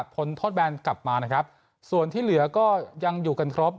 พ้นโทษแบนกลับมานะครับส่วนที่เหลือก็ยังอยู่กันครบ